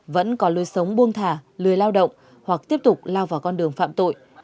vẫn có lưu sống buông thả lưu lao động hoặc tiếp tục lao vào con đường phạm tội